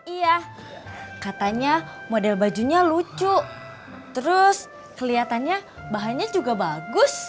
iya katanya model bajunya lucu terus kelihatannya bahannya juga bagus